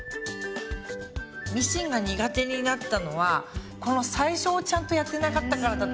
ミシンが苦手になったのはこの最初をちゃんとやってなかったからだと思うんですよ。